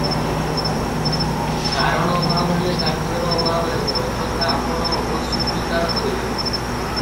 କାରଣ ଅଭାବ ହେଲେ କାର୍ଯ୍ୟର ଅଭାବ ହେବ, ଏ କଥା ଆପଣ ଅବଶ୍ୟ ସ୍ୱୀକାର କରିବେ ।